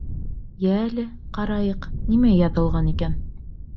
Йә әле, ҡарайыҡ, нимә яҙылған икән?